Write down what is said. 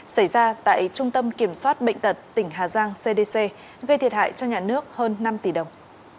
xảy ra tại trung tâm kiểm soát bệnh tật tỉnh hà giang cdc gây thiệt hại cho nhà nước hơn năm tỷ đồng